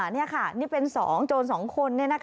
นี่ค่ะนี่เป็น๒โจร๒คน